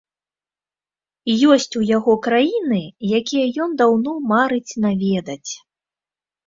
Ёсць у яго краіны, якія ён даўно марыць наведаць.